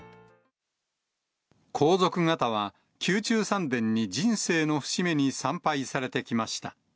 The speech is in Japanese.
皇族方は宮中三殿に人生の節目に参拝されてきました。